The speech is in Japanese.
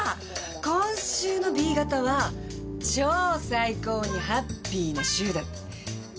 「今週のＢ型は超最高にハッピーな週」だって。